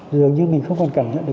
dường như mình không còn cảm nhận được